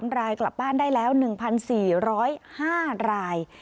รายกลับบ้านได้แล้ว๑๔๐๕ราย